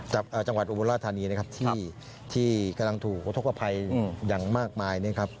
จังหวัดบนราธานีที่กำลังถูกธกภัยอย่างมากมาย